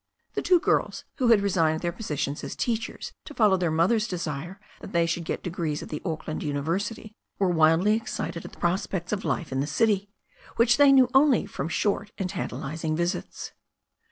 The two girls, who had resigned their positions as teachers to follow their mother's desire that they should get degrees at the Auck land university, were wildly excited at the prospects of life in the city, which they knew only from short and tanta lizing visits.